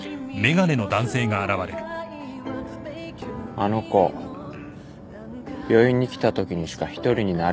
あの子病院に来たときにしか一人になれねえんだ。